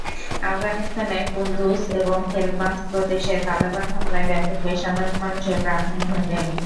আফগানিস্তানের কুন্দুজ এবং হেলমান্দ প্রদেশে তালেবান হামলায় ব্যাপক বেসামরিক মানুষের প্রাণহানি ঘটে।